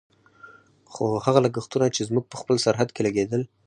خو هغه لګښتونه چې زموږ په خپل سرحد کې لګېدل.